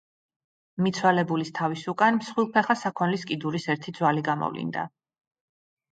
მიცვალებულის თავის უკან მსხვილფეხა საქონლის კიდურის ერთი ძვალი გამოვლინდა.